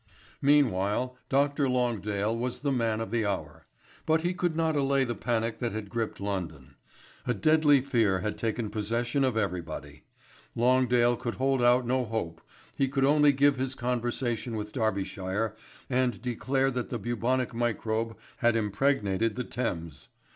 Meanwhile Dr. Longdale was the man of the hour. But he could not allay the panic that had gripped London. A deadly fear had taken possession of everybody. Longdale could hold out no hope, he could only give his conversation with Darbyshire and declare that the bubonic microbe had impregnated the Thames.